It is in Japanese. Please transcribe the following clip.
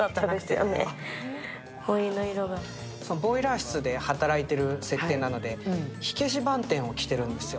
ボイラー室で働いている設定なので、火消しばんてんを着てるんですよ。